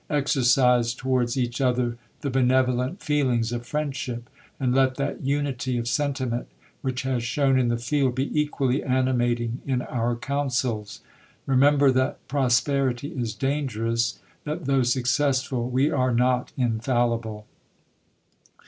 Exercise towards each other the benevolent feelings of friendship ; and let that unity of sentiment, which has shone in the field, be equally animating in our councils. Remember that prosperity is dangerous ; that though successful, we are not infallible.